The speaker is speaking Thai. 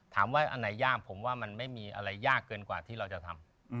อันไหนยากผมว่ามันไม่มีอะไรยากเกินกว่าที่เราจะทำ